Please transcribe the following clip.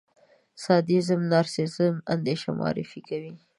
سادېزم، نارسېسېزم، اندېښنه معرفي کوي.